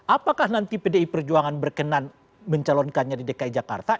apakah nanti pdi perjuangan berkenan mencalonkannya di dki jakarta